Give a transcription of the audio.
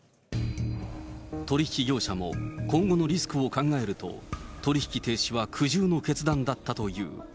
取り引き業者も今後のリスクを考えると、取り引き停止は苦渋の決断だったという。